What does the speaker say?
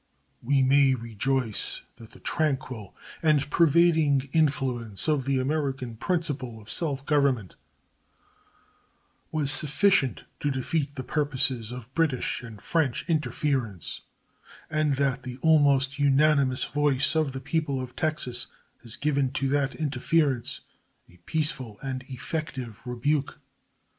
We may rejoice that the tranquil and pervading influence of the American principle of self government was sufficient to defeat the purposes of British and French interference, and that the almost unanimous voice of the people of Texas has given to that interference a peaceful and effective rebuke.